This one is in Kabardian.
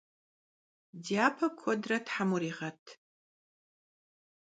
Dyape kuedre them vuriğet!